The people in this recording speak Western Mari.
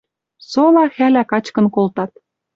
Сола хӓлӓ качкын колтат.